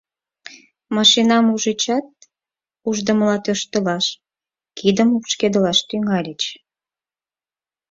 Машинам ужычат, ушдымыла тӧрштылаш, кидым лупшкедылаш тӱҥальыч.